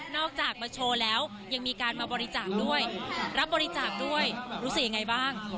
จากมาโชว์แล้วยังมีการมาบริจาคด้วยรับบริจาคด้วยรู้สึกยังไงบ้าง